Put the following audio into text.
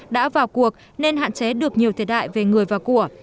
đã vào cuộc nên hạn chế được nhiều thiệt hại về người và của